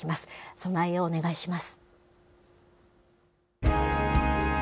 備えをお願いします。